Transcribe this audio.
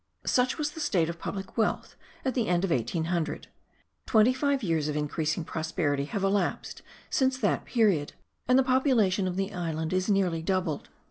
Such was the state of public wealth at the end of 1800. Twenty five years of increasing prosperity have elapsed since that period, and the population of the island is nearly doubled.